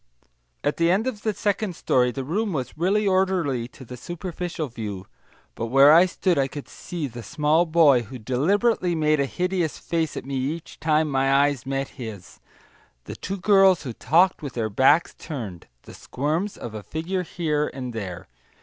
At the end of the second story, the room was really orderly to the superficial view, but where I stood I could see the small boy who deliberately made a hideous face at me each time my eyes met his, the two girls who talked with their backs turned, the squirms of a figure here and there.